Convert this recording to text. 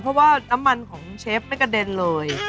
เพราะว่าน้ำมันของเชฟไม่กระเด็นเลย